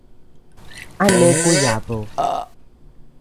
¿A neʼe kuyadud?